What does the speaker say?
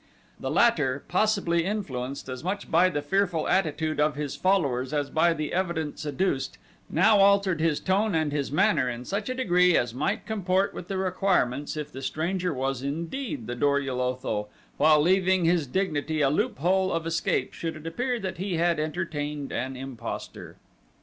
The latter, possibly influenced as much by the fearful attitude of his followers as by the evidence adduced, now altered his tone and his manner in such a degree as might comport with the requirements if the stranger was indeed the Dor ul Otho while leaving his dignity a loophole of escape should it appear that he had entertained an impostor.